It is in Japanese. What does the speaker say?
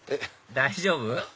大丈夫？